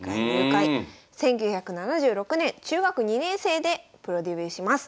１９７６年中学２年生でプロデビューします。